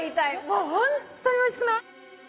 もうほんとにおいしくない？